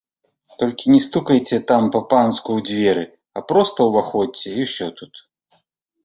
Толькі не стукайце там па-панску ў дзверы, а проста ўваходзьце, і ўсё тут.